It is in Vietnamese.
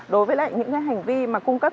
đối với những hành vi mà cung cấp